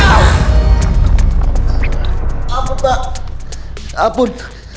maaf pak maaf pun